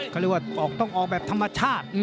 ก็ออกต้องออกแบบธรรมชาติ